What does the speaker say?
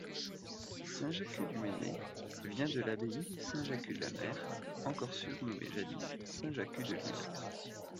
Saint-Jacut-du-Mené vient de l’abbaye Saint-Jacut-de-la-Mer, encore surnommée jadis Saint-Jacut-de-l'Isle.